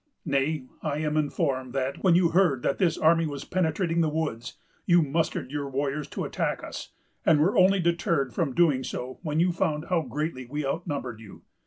Nay, I am informed that, when you heard that this army was penetrating the woods, you mustered your warriors to attack us, and were only deterred from doing so when you found how greatly we outnumbered you.